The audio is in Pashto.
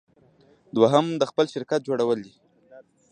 دوهم د خپل شرکت جوړول دي.